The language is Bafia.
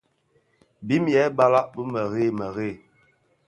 Bim yêê balàg bì mềrei bi mēreè.